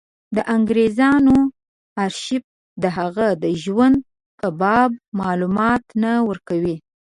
د انګرېزانو ارشیف د هغه د ژوند په باب معلومات نه ورکوي.